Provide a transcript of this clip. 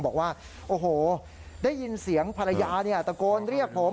บอกว่าโอ้โหได้ยินเสียงภรรยาตะโกนเรียกผม